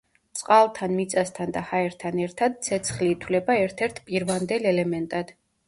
წყალთან, მიწასთან და ჰაერთან ერთად ცეცხლი ითვლება ერთ-ერთ პირვანდელ ელემენტად.